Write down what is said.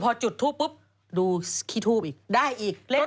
ปลาหมึกแท้เต่าทองอร่อยทั้งชนิดเส้นบดเต็มตัว